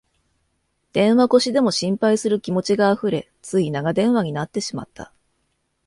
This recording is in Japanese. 電話越しでも心配する気持ちがあふれ、つい長電話になってしまった